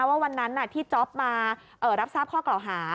ว่าวันนั้นที่จ๊อปมารับทราบข้อกล่าวหา